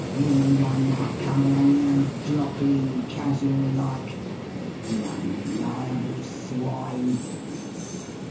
Any one might come along 'ere and drop in casual like!... The unreliable swine!"